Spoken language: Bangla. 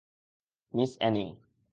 Miss Anning.